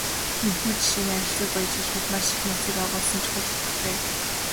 Энэхүү жишээ нь харилцааг баяжуулахад маш их нууцыг агуулсан чухал утгатай.